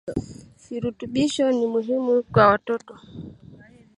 Virutubisho ni muhimu kwa Watoto